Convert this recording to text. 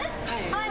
はい。